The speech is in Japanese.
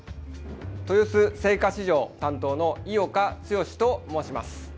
豊洲青果市場担当の井岡毅志と申します。